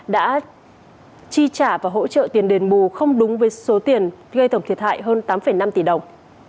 đã chi trả và hỗ trợ tiền đền bù không đúng với số tiền gây tổng thiệt hại hơn tám năm tỷ đồng